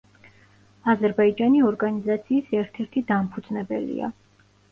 აზერბაიჯანი ორგანიზაციის ერთ-ერთი დამფუძნებელია.